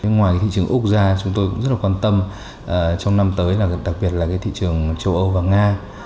ngoài thị trường úc ra chúng tôi cũng rất quan tâm trong năm tới đặc biệt là thị trường châu âu và nga